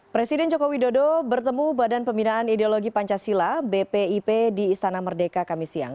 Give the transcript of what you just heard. presiden joko widodo bertemu badan pembinaan ideologi pancasila bpip di istana merdeka kamisiyang